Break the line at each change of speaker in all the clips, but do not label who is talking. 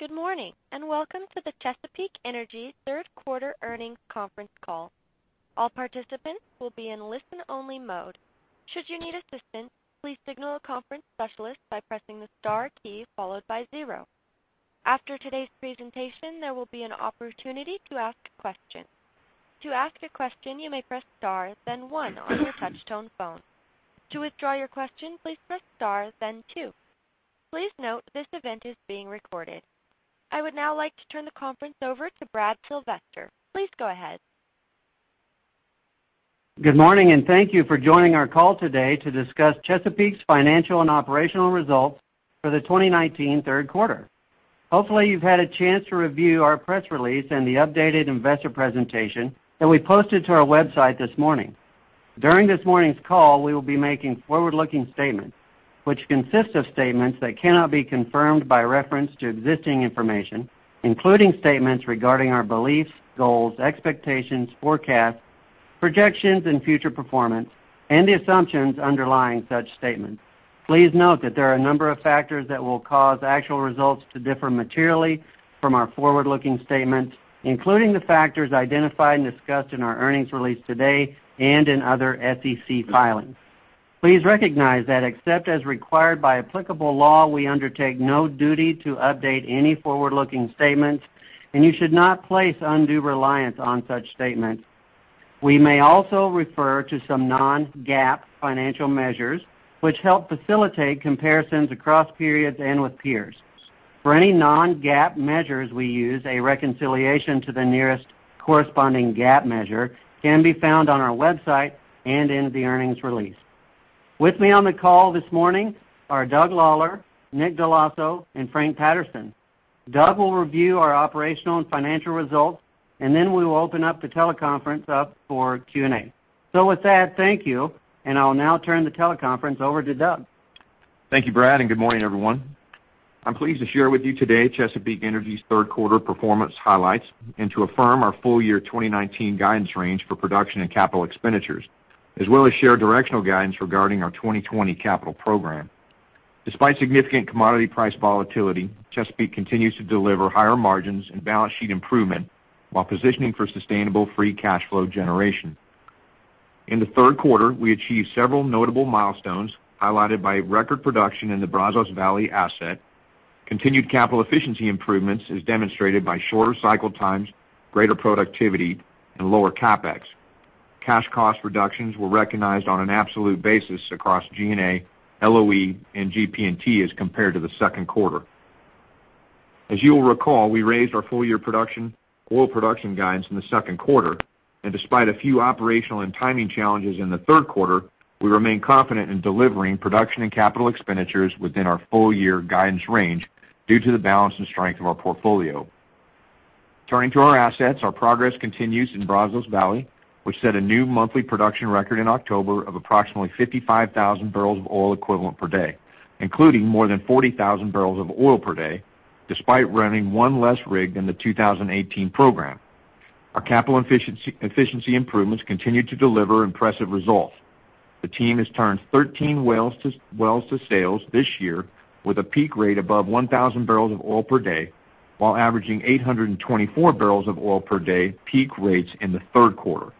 Good morning, and welcome to the Chesapeake Energy third quarter earnings conference call. All participants will be in listen only mode. Should you need assistance, please signal a conference specialist by pressing the star key followed by zero. After today's presentation, there will be an opportunity to ask questions. To ask a question, you may press star then one on your touch-tone phone. To withdraw your question, please press star then two. Please note this event is being recorded. I would now like to turn the conference over to Brad Sylvester. Please go ahead.
Good morning. Thank you for joining our call today to discuss Chesapeake's financial and operational results for the 2019 third quarter. Hopefully, you've had a chance to review our press release and the updated investor presentation that we posted to our website this morning. During this morning's call, we will be making forward-looking statements, which consist of statements that cannot be confirmed by reference to existing information, including statements regarding our beliefs, goals, expectations, forecasts, projections and future performance, and the assumptions underlying such statements. Please note that there are a number of factors that will cause actual results to differ materially from our forward-looking statements, including the factors identified and discussed in our earnings release today and in other SEC filings. Please recognize that except as required by applicable law, we undertake no duty to update any forward-looking statements, and you should not place undue reliance on such statements. We may also refer to some non-GAAP financial measures, which help facilitate comparisons across periods and with peers. For any non-GAAP measures we use, a reconciliation to the nearest corresponding GAAP measure can be found on our website and in the earnings release. With me on the call this morning are Doug Lawler, Nick Dell'Osso, and Frank Patterson. Doug will review our operational and financial results, and then we will open up the teleconference up for Q&A. With that, thank you, and I'll now turn the teleconference over to Doug.
Thank you, Brad, and good morning, everyone. I'm pleased to share with you today Chesapeake Energy's third quarter performance highlights and to affirm our full year 2019 guidance range for production and capital expenditures, as well as share directional guidance regarding our 2020 capital program. Despite significant commodity price volatility, Chesapeake continues to deliver higher margins and balance sheet improvement while positioning for sustainable free cash flow generation. In the third quarter, we achieved several notable milestones, highlighted by record production in the Brazos Valley asset, continued capital efficiency improvements as demonstrated by shorter cycle times, greater productivity, and lower CapEx. Cash cost reductions were recognized on an absolute basis across G&A, LOE, and GP&T as compared to the second quarter. As you'll recall, we raised our full-year production, oil production guidance in the second quarter, and despite a few operational and timing challenges in the third quarter, we remain confident in delivering production and capital expenditures within our full-year guidance range due to the balance and strength of our portfolio. Turning to our assets, our progress continues in Brazos Valley, which set a new monthly production record in October of approximately 55,000 barrels of oil equivalent per day, including more than 40,000 barrels of oil per day, despite running one less rig than the 2018 program. Our capital efficiency improvements continued to deliver impressive results. The team has turned 13 wells to sales this year with a peak rate above 1,000 barrels of oil per day, while averaging 824 barrels of oil per day peak rates in the third quarter.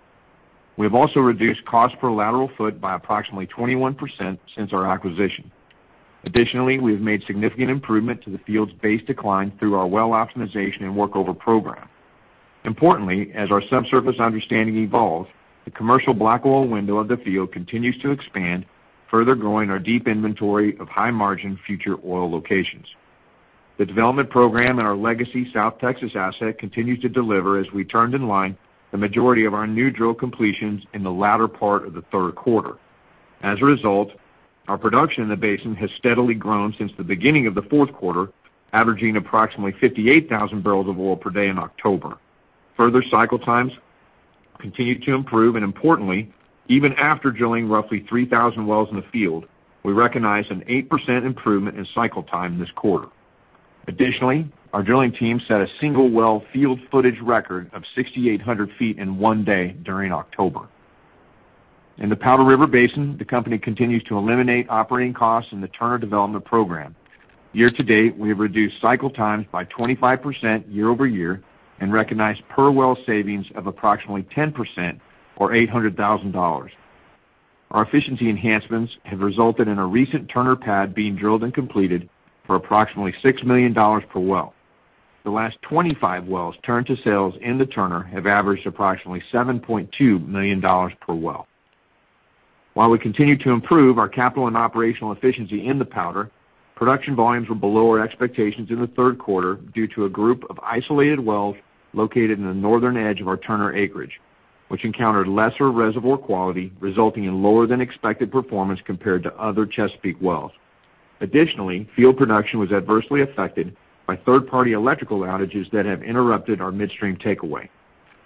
We have also reduced cost per lateral foot by approximately 21% since our acquisition. Additionally, we have made significant improvement to the field's base decline through our well optimization and workover program. Importantly, as our subsurface understanding evolves, the commercial black oil window of the field continues to expand, further growing our deep inventory of high-margin future oil locations. The development program in our legacy South Texas asset continued to deliver as we turned in line the majority of our new drill completions in the latter part of the third quarter. As a result, our production in the basin has steadily grown since the beginning of the fourth quarter, averaging approximately 58,000 barrels of oil per day in October. Further cycle times continued to improve, and importantly, even after drilling roughly 3,000 wells in the field, we recognized an 8% improvement in cycle time this quarter. Additionally, our drilling team set a single well field footage record of 6,800 feet in one day during October. In the Powder River Basin, the company continues to eliminate operating costs in the Turner development program. Year to date, we have reduced cycle times by 25% year-over-year and recognized per well savings of approximately 10% or $800,000. Our efficiency enhancements have resulted in a recent Turner pad being drilled and completed for approximately $6 million per well. The last 25 wells turned to sales in the Turner have averaged approximately $7.2 million per well. While we continue to improve our capital and operational efficiency in the Powder, production volumes were below our expectations in the third quarter due to a group of isolated wells located in the northern edge of our Turner acreage, which encountered lesser reservoir quality, resulting in lower than expected performance compared to other Chesapeake wells. Additionally, field production was adversely affected by third-party electrical outages that have interrupted our midstream takeaway.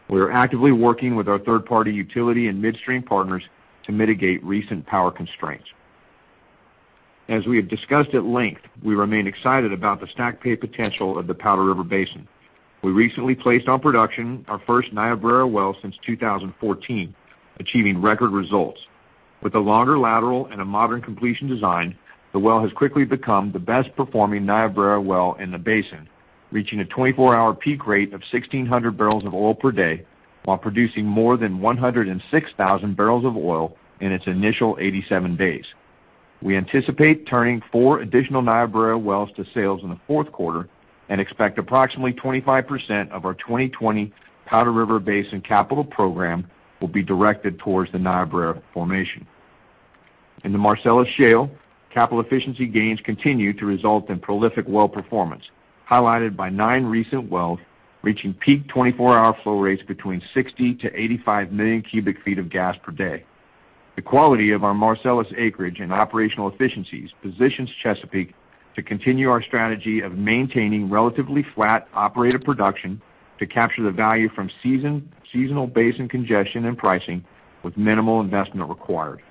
We are actively working with our third-party utility and midstream partners to mitigate recent power constraints. As we have discussed at length, we remain excited about the stack pay potential of the Powder River Basin. We recently placed on production our first Niobrara well since 2014, achieving record results. With a longer lateral and a modern completion design, the well has quickly become the best-performing Niobrara well in the basin, reaching a 24-hour peak rate of 1,600 barrels of oil per day while producing more than 106,000 barrels of oil in its initial 87 days. We anticipate turning four additional Niobrara wells to sales in the fourth quarter and expect approximately 25% of our 2020 Powder River Basin capital program will be directed towards the Niobrara Formation. In the Marcellus Shale, capital efficiency gains continue to result in prolific well performance, highlighted by nine recent wells reaching peak 24-hour flow rates between 60 to 85 million cubic feet of gas per day. The quality of our Marcellus acreage and operational efficiencies positions Chesapeake to continue our strategy of maintaining relatively flat operated production to capture the value from seasonal basin congestion and pricing with minimal investment required.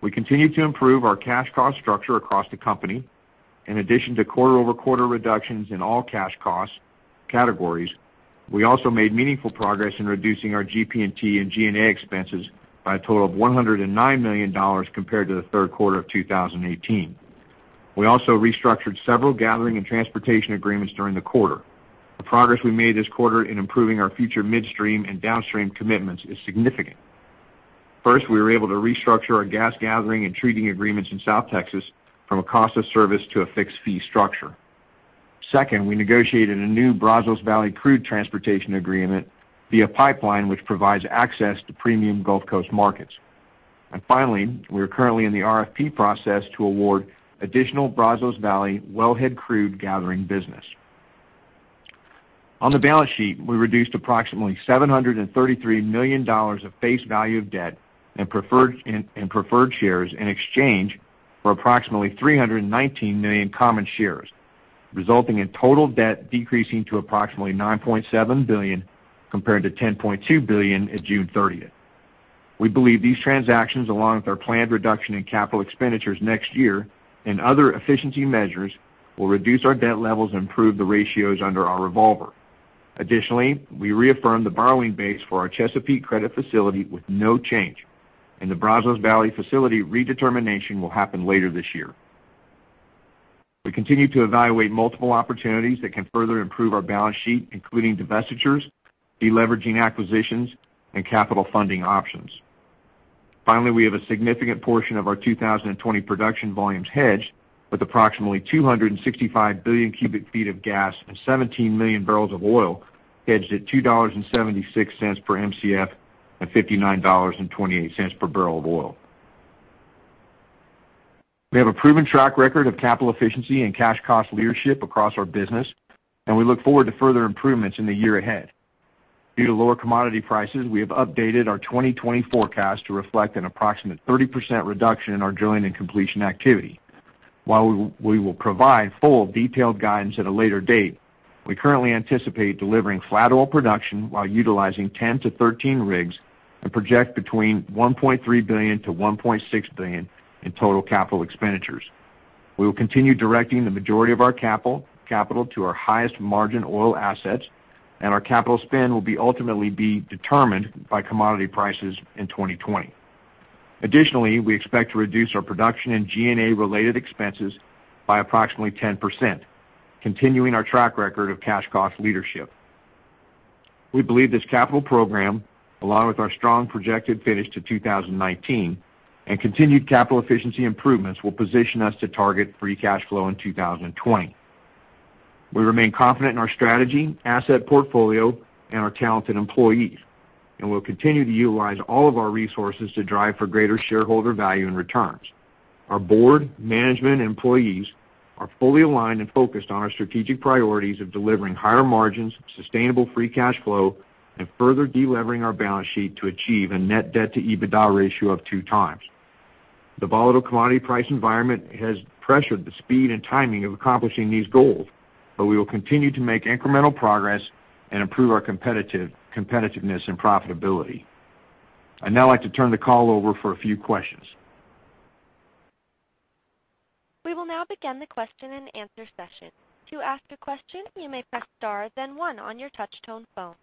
We continue to improve our cash cost structure across the company. In addition to quarter-over-quarter reductions in all cash cost categories, we also made meaningful progress in reducing our GP&T and G&A expenses by a total of $109 million compared to the third quarter of 2018. We also restructured several gathering and transportation agreements during the quarter. The progress we made this quarter in improving our future midstream and downstream commitments is significant. First, we were able to restructure our gas gathering and treating agreements in South Texas from a cost of service to a fixed-fee structure. Second, we negotiated a new Brazos Valley crude transportation agreement via pipeline, which provides access to premium Gulf Coast markets. Finally, we are currently in the RFP process to award additional Brazos Valley wellhead crude gathering business. On the balance sheet, we reduced approximately $733 million of face value of debt and preferred shares in exchange for approximately $319 million common shares, resulting in total debt decreasing to approximately $9.7 billion, compared to $10.2 billion at June 30th. We believe these transactions, along with our planned reduction in capital expenditures next year and other efficiency measures, will reduce our debt levels and improve the ratios under our revolver. Additionally, we reaffirmed the borrowing base for our Chesapeake credit facility with no change, and the Brazos Valley facility redetermination will happen later this year. We continue to evaluate multiple opportunities that can further improve our balance sheet, including divestitures, de-leveraging acquisitions, and capital funding options. Finally, we have a significant portion of our 2020 production volumes hedged, with approximately 265 billion cubic feet of gas and 17 million barrels of oil hedged at $2.76 per Mcf and $59.28 per barrel of oil. We have a proven track record of capital efficiency and cash cost leadership across our business, and we look forward to further improvements in the year ahead. Due to lower commodity prices, we have updated our 2020 forecast to reflect an approximate 30% reduction in our drilling and completion activity. While we will provide full detailed guidance at a later date, we currently anticipate delivering flat oil production while utilizing 10 to 13 rigs and project between $1.3 billion-$1.6 billion in total capital expenditures. We will continue directing the majority of our capital to our highest margin oil assets. Our capital spend will ultimately be determined by commodity prices in 2020. Additionally, we expect to reduce our production and G&A-related expenses by approximately 10%, continuing our track record of cash cost leadership. We believe this capital program, along with our strong projected finish to 2019 and continued capital efficiency improvements, will position us to target free cash flow in 2020. We remain confident in our strategy, asset portfolio, and our talented employees, and we'll continue to utilize all of our resources to drive for greater shareholder value and returns. Our board, management, and employees are fully aligned and focused on our strategic priorities of delivering higher margins, sustainable free cash flow, and further de-levering our balance sheet to achieve a net debt to EBITDA ratio of 2 times. The volatile commodity price environment has pressured the speed and timing of accomplishing these goals, but we will continue to make incremental progress and improve our competitiveness and profitability. I'd now like to turn the call over for a few questions.
We will now begin the question and answer session. To ask a question, you may press star, then one on your touch-tone phone.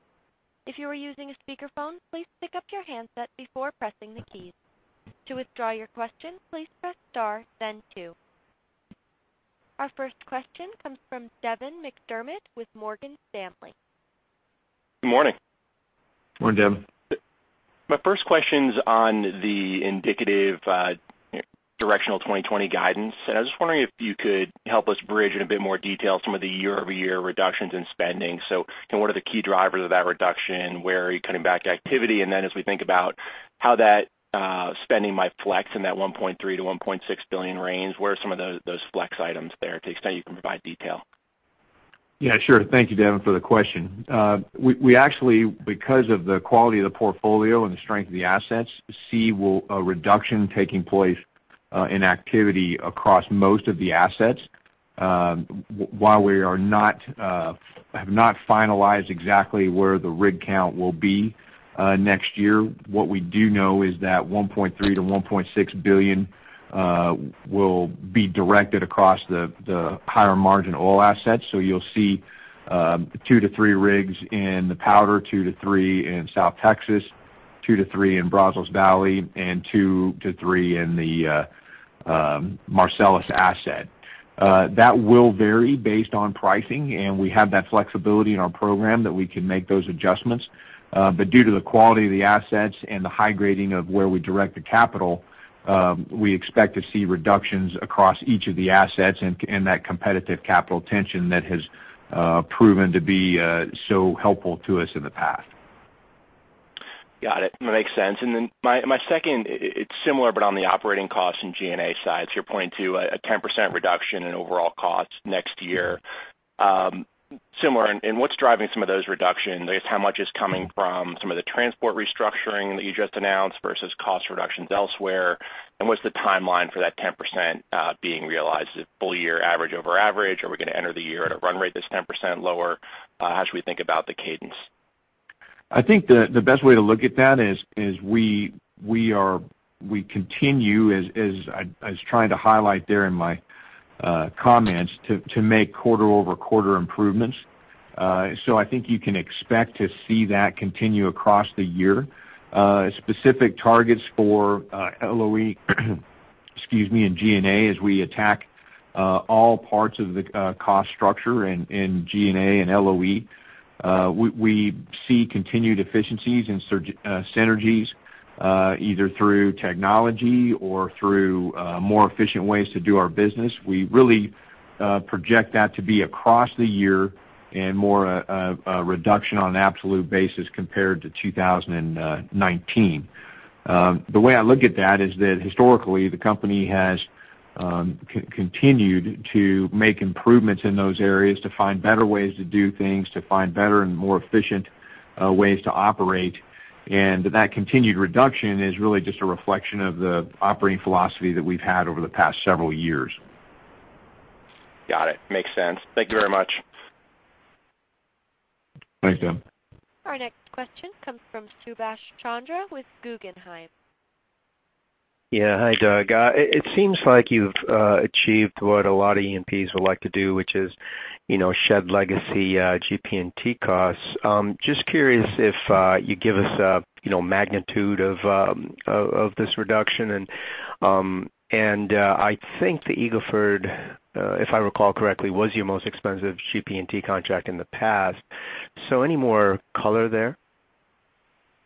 If you are using a speakerphone, please pick up your handset before pressing the keys. To withdraw your question, please press star, then two. Our first question comes from Devin McDermott with Morgan Stanley.
Good morning.
Morning, Devin.
My first question is on the indicative directional 2020 guidance. I was just wondering if you could help us bridge in a bit more detail some of the year-over-year reductions in spending. What are the key drivers of that reduction? Where are you cutting back activity? As we think about how that spending might flex in that $1.3 billion-$1.6 billion range, where are some of those flex items there, to the extent you can provide detail?
Yeah, sure. Thank you, Devin, for the question. We actually, because of the quality of the portfolio and the strength of the assets, see a reduction taking place in activity across most of the assets. While we have not finalized exactly where the rig count will be next year, what we do know is that $1.3 billion-$1.6 billion will be directed across the higher margin oil assets. You'll see two to three rigs in the Powder, two to three in South Texas. Two to three in Brazos Valley and two to three in the Marcellus asset. That will vary based on pricing, and we have that flexibility in our program that we can make those adjustments. But due to the quality of the assets and the high grading of where we direct the capital, we expect to see reductions across each of the assets in that competitive capital tension that has proven to be so helpful to us in the past.
Got it. That makes sense. My second, it's similar, but on the operating costs and G&A side, you're pointing to a 10% reduction in overall costs next year. Similar, what's driving some of those reductions? I guess, how much is coming from some of the transport restructuring that you just announced versus cost reductions elsewhere, what's the timeline for that 10% being realized? Is it full year average over average? Are we going to enter the year at a run rate that's 10% lower? How should we think about the cadence?
I think the best way to look at that is we continue, as I was trying to highlight there in my comments, to make quarter-over-quarter improvements. I think you can expect to see that continue across the year. Specific targets for LOE and G&A as we attack all parts of the cost structure in G&A and LOE. We see continued efficiencies and synergies, either through technology or through more efficient ways to do our business. We really project that to be across the year and more a reduction on an absolute basis compared to 2019. The way I look at that is that historically, the company has continued to make improvements in those areas to find better ways to do things, to find better and more efficient ways to operate. That continued reduction is really just a reflection of the operating philosophy that we've had over the past several years.
Got it. Makes sense. Thank you very much.
Thanks, Devin.
Our next question comes from Subash Chandra with Guggenheim.
Yeah. Hi, Doug. It seems like you've achieved what a lot of E&Ps would like to do, which is shed legacy GP&T costs. Just curious if you give us a magnitude of this reduction. I think the Eagle Ford, if I recall correctly, was your most expensive GP&T contract in the past. Any more color there?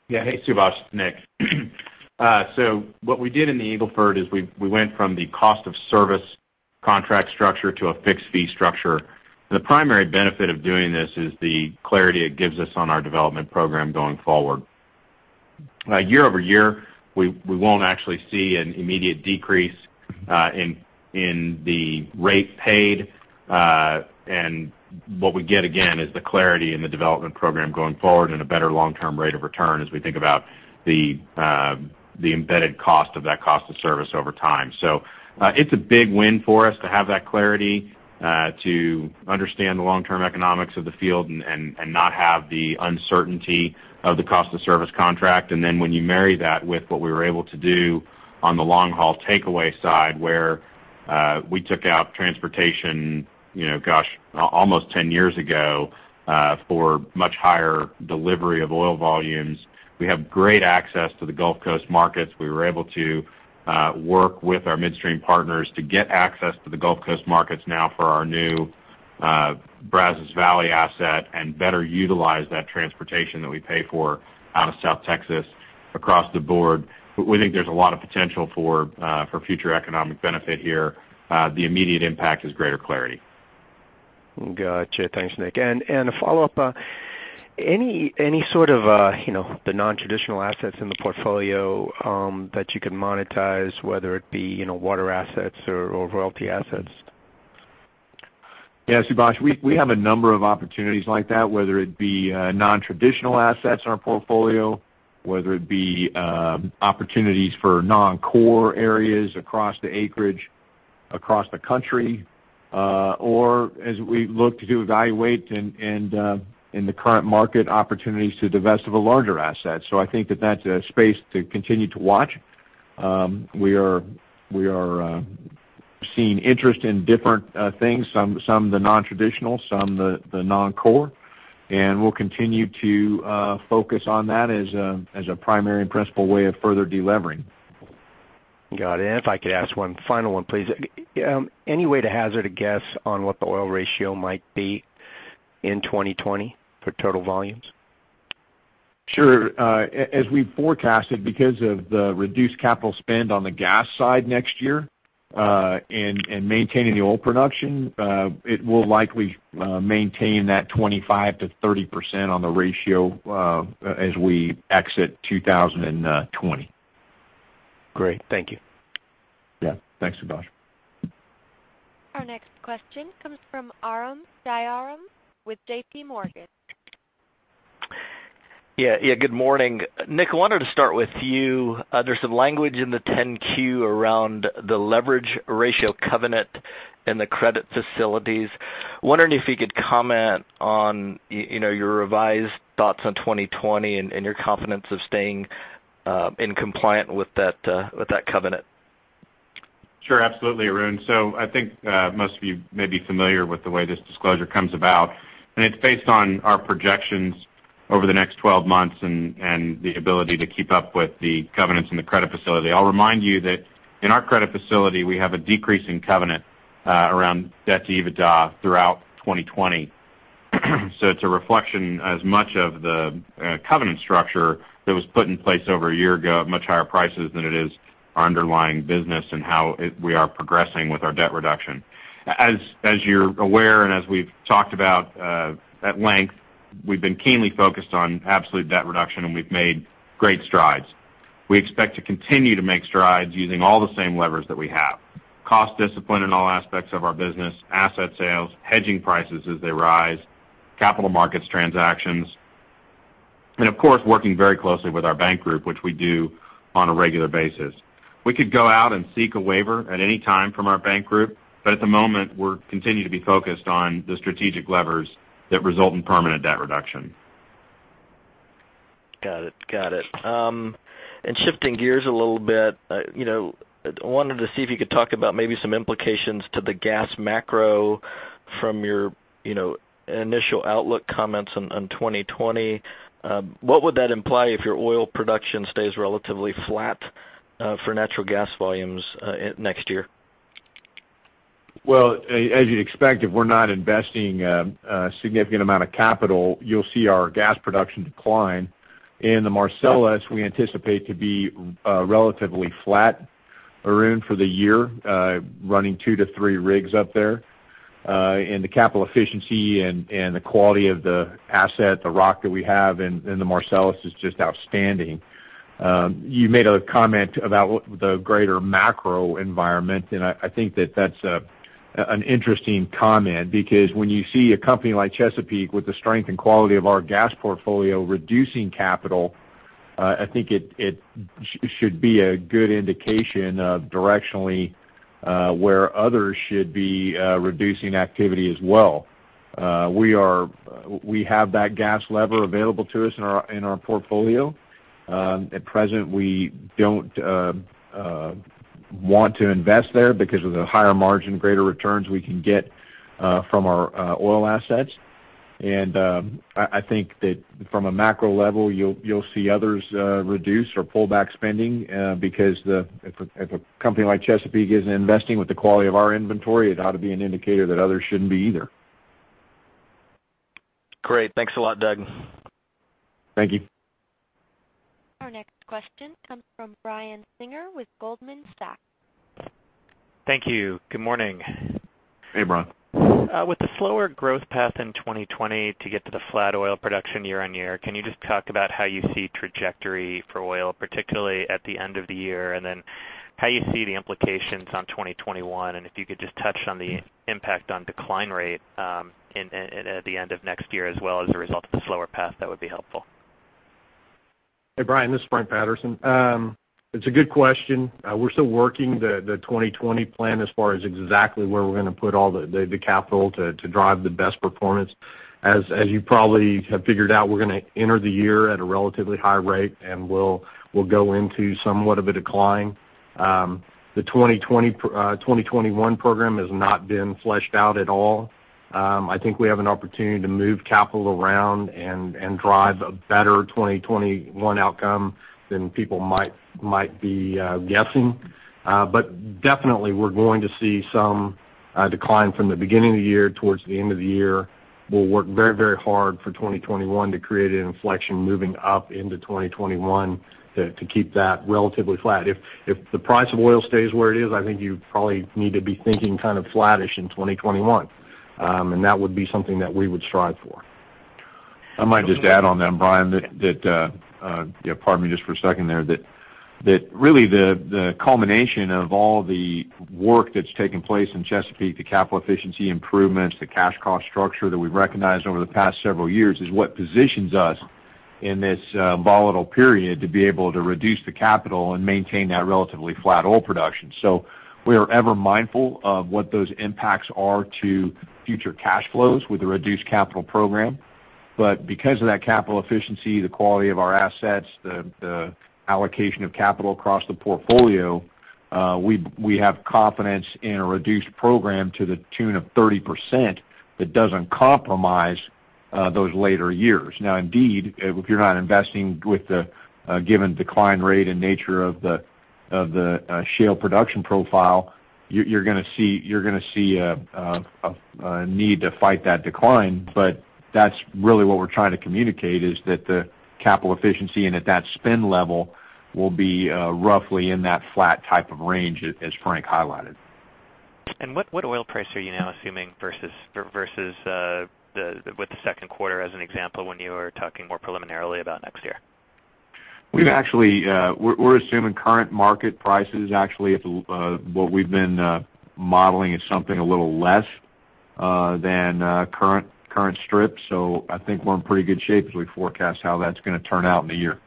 Yeah. Hey, Subash, Nick. What we did in the Eagle Ford is we went from the cost of service contract structure to a fixed fee structure. The primary benefit of doing this is the clarity it gives us on our development program going forward. Year-over-year, we won't actually see an immediate decrease in the rate paid. What we get, again, is the clarity in the development program going forward and a better long-term rate of return as we think about the embedded cost of that cost of service over time. It's a big win for us to have that clarity, to understand the long-term economics of the field and not have the uncertainty of the cost of service contract. When you marry that with what we were able to do on the long-haul takeaway side, where we took out transportation, gosh, almost 10 years ago, for much higher delivery of oil volumes. We have great access to the Gulf Coast markets. We were able to work with our midstream partners to get access to the Gulf Coast markets now for our new Brazos Valley asset and better utilize that transportation that we pay for out of South Texas across the board. We think there's a lot of potential for future economic benefit here. The immediate impact is greater clarity.
Got you. Thanks, Nick. A follow-up. Any sort of the non-traditional assets in the portfolio that you can monetize, whether it be water assets or royalty assets?
Yeah, Subash. We have a number of opportunities like that, whether it be non-traditional assets in our portfolio, whether it be opportunities for non-core areas across the acreage, across the country, or as we look to evaluate in the current market opportunities to divest of a larger asset. I think that that's a space to continue to watch. We are seeing interest in different things, some the non-traditional, some the non-core. We'll continue to focus on that as a primary and principal way of further de-levering.
Got it. If I could ask one final one, please? Any way to hazard a guess on what the oil ratio might be in 2020 for total volumes?
Sure. As we forecasted, because of the reduced capital spend on the gas side next year, and maintaining the oil production, it will likely maintain that 25% to 30% on the ratio as we exit 2020.
Great. Thank you.
Yeah. Thanks, Subash.
Our next question comes from Arun Jayaram with JPMorgan.
Yeah. Good morning. Nick, I wanted to start with you. There's some language in the 10-Q around the leverage ratio covenant and the credit facilities. Wondering if you could comment on your revised thoughts on 2020 and your confidence of staying in compliant with that covenant?
Sure. Absolutely, Arun. I think most of you may be familiar with the way this disclosure comes about, and it's based on our projections over the next 12 months and the ability to keep up with the covenants and the credit facility. I'll remind you that in our credit facility, we have a decrease in covenant around debt to EBITDA throughout 2020. It's a reflection as much of the covenant structure that was put in place over a year ago at much higher prices than it is our underlying business and how we are progressing with our debt reduction. As you're aware, and as we've talked about at length, we've been keenly focused on absolute debt reduction, and we've made great strides. We expect to continue to make strides using all the same levers that we have. Cost discipline in all aspects of our business, asset sales, hedging prices as they rise, capital markets transactions, and of course, working very closely with our bank group, which we do on a regular basis. We could go out and seek a waiver at any time from our bank group, but at the moment, we continue to be focused on the strategic levers that result in permanent debt reduction.
Got it. Shifting gears a little bit, I wanted to see if you could talk about maybe some implications to the gas macro from your initial outlook comments on 2020. What would that imply if your oil production stays relatively flat for natural gas volumes next year?
Well, as you'd expect, if we're not investing a significant amount of capital, you'll see our gas production decline. In the Marcellus, we anticipate to be relatively flat, Arun, for the year, running 2 to 3 rigs up there. The capital efficiency and the quality of the asset, the rock that we have in the Marcellus is just outstanding. You made a comment about the greater macro environment, and I think that that's an interesting comment because when you see a company like Chesapeake with the strength and quality of our gas portfolio reducing capital, I think it should be a good indication of directionally where others should be reducing activity as well. We have that gas lever available to us in our portfolio. At present, we don't want to invest there because of the higher margin, greater returns we can get from our oil assets. I think that from a macro level, you'll see others reduce or pull back spending, because if a company like Chesapeake isn't investing with the quality of our inventory, it ought to be an indicator that others shouldn't be either.
Great. Thanks a lot, Doug.
Thank you.
Our next question comes from Brian Singer with Goldman Sachs.
Thank you. Good morning.
Hey, Brian.
With the slower growth path in 2020 to get to the flat oil production year-on-year, can you just talk about how you see trajectory for oil, particularly at the end of the year? How you see the implications on 2021, if you could just touch on the impact on decline rate at the end of next year as well as a result of the slower path, that would be helpful.
Hey, Brian, this is Frank Patterson. It's a good question. We're still working the 2020 plan as far as exactly where we're going to put all the capital to drive the best performance. As you probably have figured out, we're going to enter the year at a relatively high rate, and we'll go into somewhat of a decline. The 2021 program has not been fleshed out at all. I think we have an opportunity to move capital around and drive a better 2021 outcome than people might be guessing. Definitely, we're going to see some decline from the beginning of the year towards the end of the year. We'll work very hard for 2021 to create an inflection moving up into 2021 to keep that relatively flat. If the price of oil stays where it is, I think you probably need to be thinking kind of flattish in 2021. That would be something that we would strive for.
I might just add on then, Brian, pardon me just for a second there. That really the culmination of all the work that's taken place in Chesapeake, the capital efficiency improvements, the cash cost structure that we've recognized over the past several years is what positions us in this volatile period to be able to reduce the capital and maintain that relatively flat oil production. We are ever mindful of what those impacts are to future cash flows with a reduced capital program. Because of that capital efficiency, the quality of our assets, the allocation of capital across the portfolio, we have confidence in a reduced program to the tune of 30% that doesn't compromise those later years. Now indeed, if you're not investing with the given decline rate and nature of the shale production profile, you're going to see a need to fight that decline, but that's really what we're trying to communicate, is that the capital efficiency and at that spend level will be roughly in that flat type of range as Frank highlighted.
What oil price are you now assuming versus with the second quarter as an example when you were talking more preliminarily about next year?
We're assuming current market prices. Actually, what we've been modeling is something a little less than current strip. I think we're in pretty good shape as we forecast how that's going to turn out in a year.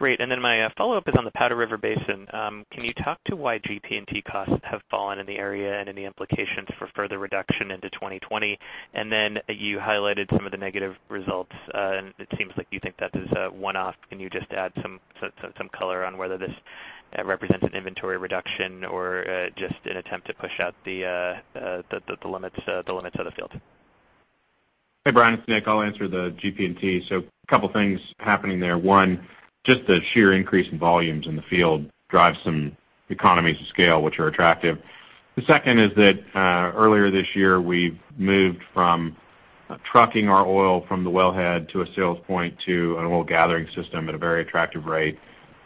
Great. My follow-up is on the Powder River Basin. Can you talk to why GP&T costs have fallen in the area and any implications for further reduction into 2020? You highlighted some of the negative results, and it seems like you think that is a one-off. Can you just add some color on whether this represents an inventory reduction or just an attempt to push out the limits of the field?
Hey, Brian, it's Nick. I'll answer the GP&T. A couple things happening there. One, just the sheer increase in volumes in the field drives some economies of scale, which are attractive. The second is that earlier this year, we've moved from trucking our oil from the wellhead to a sales point to an oil gathering system at a very attractive rate.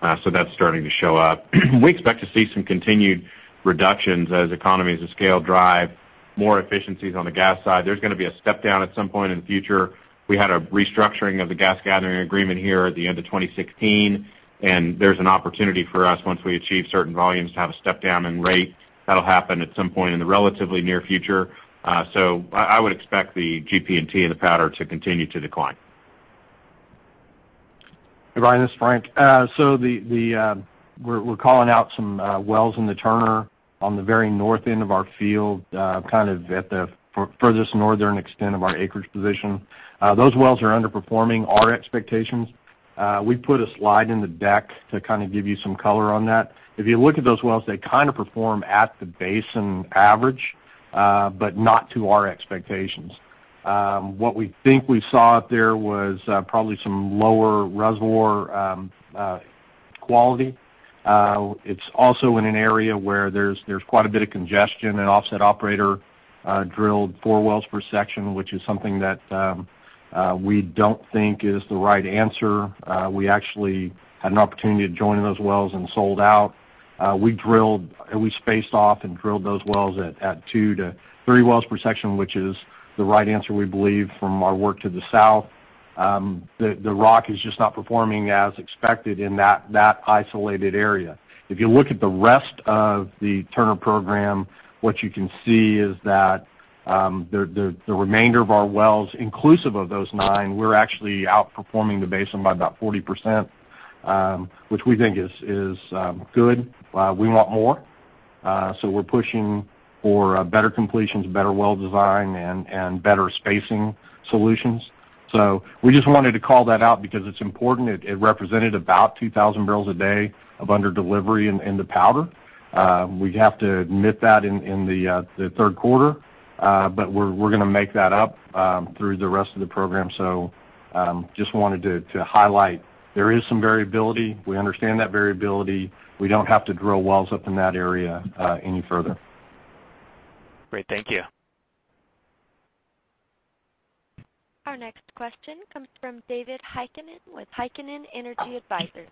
That's starting to show up. We expect to see some continued reductions as economies of scale drive more efficiencies on the gas side. There's going to be a step down at some point in the future. We had a restructuring of the gas gathering agreement here at the end of 2016, and there's an opportunity for us, once we achieve certain volumes, to have a step down in rate. That'll happen at some point in the relatively near future. I would expect the GP&T and the Powder to continue to decline.
Hey, Brian, this is Frank. We're calling out some wells in the Turner on the very north end of our field, at the furthest northern extent of our acreage position. Those wells are underperforming our expectations. We put a slide in the deck to give you some color on that. If you look at those wells, they perform at the basin average but not to our expectations. What we think we saw out there was probably some lower reservoir quality. It's also in an area where there's quite a bit of congestion. An offset operator drilled four wells per section, which is something that we don't think is the right answer. We actually had an opportunity to join in those wells and sold out. We spaced off and drilled those wells at two to three wells per section, which is the right answer, we believe, from our work to the south. The rock is just not performing as expected in that isolated area. If you look at the rest of the Turner program, what you can see is that the remainder of our wells, inclusive of those nine, we're actually outperforming the basin by about 40%, which we think is good. We want more. We're pushing for better completions, better well design, and better spacing solutions. We just wanted to call that out because it's important. It represented about 2,000 barrels a day of under-delivery in the Powder. We have to admit that in the third quarter. We're going to make that up through the rest of the program. Just wanted to highlight there is some variability. We understand that variability. We don't have to drill wells up in that area any further.
Great. Thank you.
Our next question comes from David Heikkinen with Heikkinen Energy Advisors.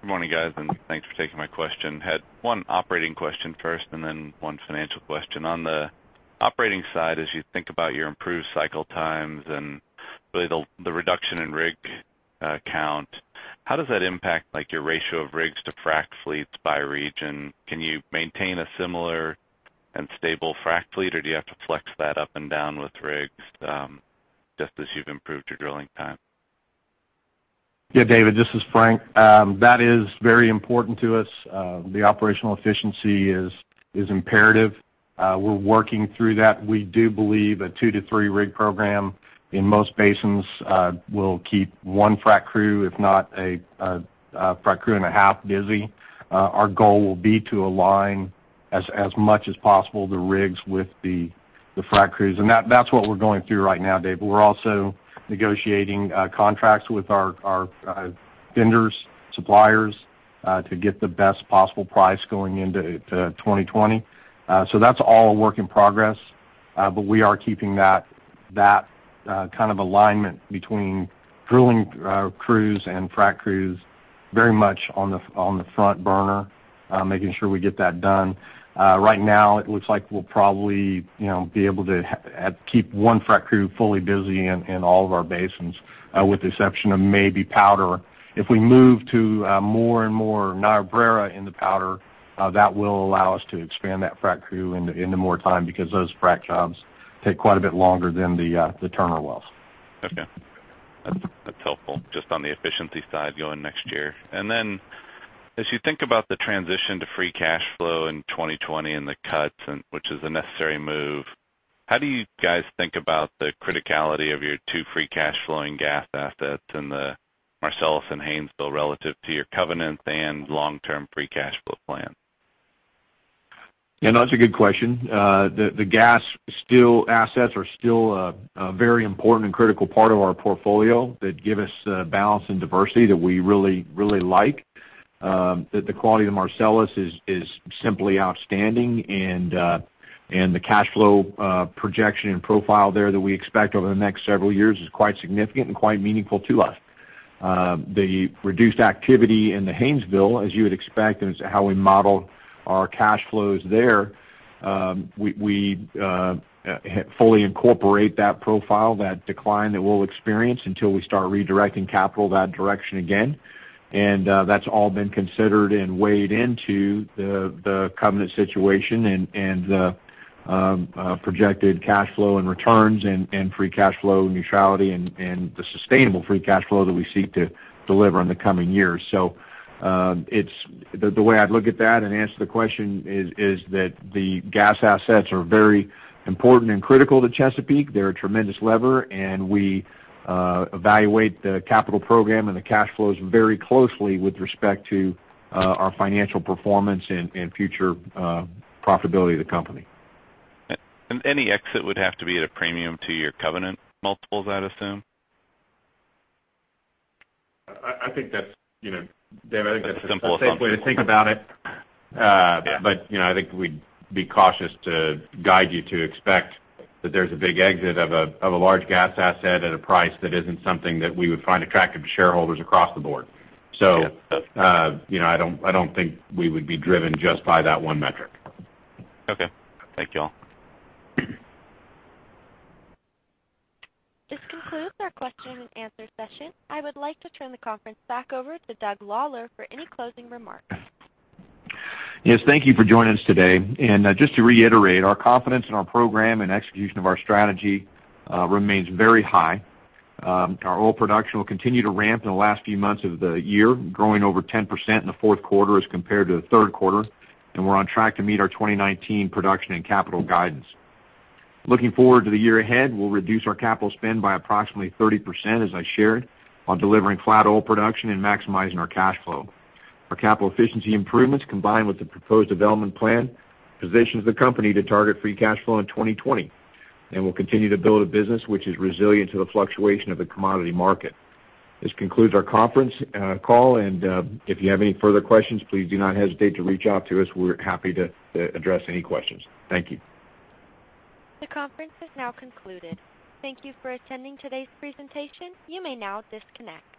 Good morning, guys, and thanks for taking my question. Had one operating question first and then one financial question. On the operating side, as you think about your improved cycle times and really the reduction in rig count, how does that impact your ratio of rigs to frack fleets by region? Can you maintain a similar and stable frack fleet, or do you have to flex that up and down with rigs just as you've improved your drilling time?
Yeah, David, this is Frank. That is very important to us. The operational efficiency is imperative. We're working through that. We do believe a 2-3 rig program in most basins will keep one frack crew, if not a frack crew and a half, busy. Our goal will be to align as much as possible the rigs with the frack crews. That's what we're going through right now, David. We're also negotiating contracts with our vendors, suppliers to get the best possible price going into 2020. That's all a work in progress. We are keeping that alignment between drilling crews and frack crews very much on the front burner, making sure we get that done. Right now, it looks like we'll probably be able to keep one frack crew fully busy in all of our basins, with the exception of maybe Powder. If we move to more and more Niobrara in the Powder, that will allow us to expand that frack crew into more time because those frack jobs take quite a bit longer than the Turner wells.
Okay. That's helpful. Just on the efficiency side going next year. As you think about the transition to free cash flow in 2020 and the cuts, which is a necessary move, how do you guys think about the criticality of your two free cash flowing gas assets in the Marcellus and Haynesville relative to your covenant and long-term free cash flow plan?
Yeah, that's a good question. The gas assets are still a very important and critical part of our portfolio that give us balance and diversity that we really like. The quality of Marcellus is simply outstanding. The cash flow projection and profile there that we expect over the next several years is quite significant and quite meaningful to us. The reduced activity in the Haynesville, as you would expect, and it's how we model our cash flows there. We fully incorporate that profile, that decline that we'll experience until we start redirecting capital that direction again. That's all been considered and weighed into the covenant situation and
Projected cash flow and returns and free cash flow neutrality and the sustainable free cash flow that we seek to deliver in the coming years. The way I'd look at that and answer the question is that the gas assets are very important and critical to Chesapeake. They're a tremendous lever, and we evaluate the capital program and the cash flows very closely with respect to our financial performance and future profitability of the company.
Any exit would have to be at a premium to your covenant multiples, I'd assume?
Dave, I think that's a safe way to think about it.
Yeah.
I think we'd be cautious to guide you to expect that there's a big exit of a large gas asset at a price that isn't something that we would find attractive to shareholders across the board.
Yeah.
I don't think we would be driven just by that one metric.
Okay. Thank you all.
This concludes our question and answer session. I would like to turn the conference back over to Doug Lawler for any closing remarks.
Yes. Thank you for joining us today. Just to reiterate, our confidence in our program and execution of our strategy remains very high. Our oil production will continue to ramp in the last few months of the year, growing over 10% in the fourth quarter as compared to the third quarter, and we're on track to meet our 2019 production and capital guidance. Looking forward to the year ahead, we'll reduce our capital spend by approximately 30%, as I shared, while delivering flat oil production and maximizing our cash flow. Our capital efficiency improvements, combined with the proposed development plan, positions the company to target free cash flow in 2020, and we'll continue to build a business which is resilient to the fluctuation of the commodity market. This concludes our conference call, and if you have any further questions, please do not hesitate to reach out to us. We're happy to address any questions. Thank you.
The conference has now concluded. Thank you for attending today's presentation. You may now disconnect.